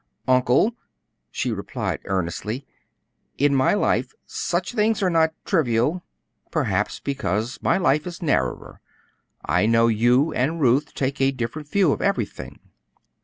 "Uncle," she replied earnestly, "in my life such things are not trivial; perhaps because my life is narrower. I know you and Ruth take a different view of everything."